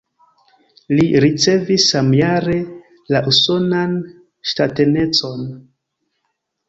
Li ricevis samjare la usonan ŝtatanecon.